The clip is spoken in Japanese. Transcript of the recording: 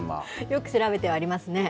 よく調べてありますね。